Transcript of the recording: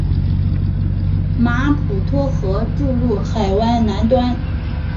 马普托河注入海湾南端。